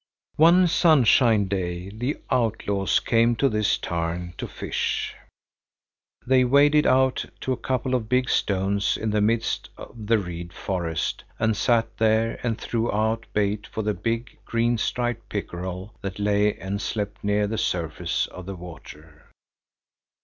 One sunshiny day the outlaws came to this tarn to fish. They waded out to a couple of big stones in the midst of the reed forest and sat there and threw out bait for the big, green striped pickerel that lay and slept near the surface of the water.